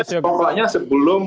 ya pokoknya sebelum